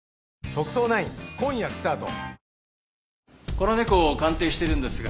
この猫を鑑定しているんですが。